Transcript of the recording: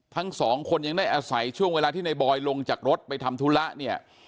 ทั้งสองคนยังได้อาศัยช่วงเวลาที่ในบอยลงจากรถไปทำธุระเนี่ย